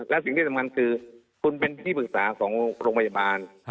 และสิ่งที่สำคัญคือคุณเป็นที่ปรึกษาของโรงพยาบาล